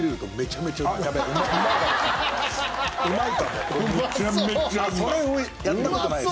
めちゃめちゃうまい！